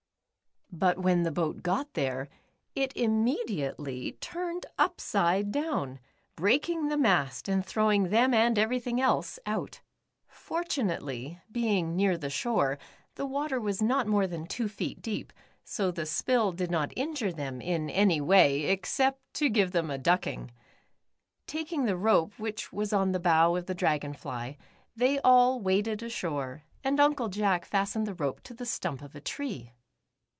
But when the boat got there, it im mediately turned upside down, breaking the mast, and throw^ing them and everything else out. For tunately, being near the shore, the water was not more than two feet deep, so the spill did not in jure them in any way, except to give them a ducking. Taking the rope which was on the bow oi'C<iV^ Dragon fly, they all waded ashore, and Uncle Jack fastened the rope to the stump of a tree.